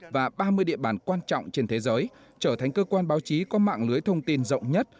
và ba mươi địa bàn quan trọng trên thế giới trở thành cơ quan báo chí có mạng lưới thông tin rộng nhất